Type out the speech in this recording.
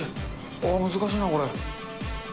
あー、難しいな、これ。